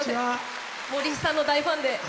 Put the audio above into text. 森さんの大ファンで。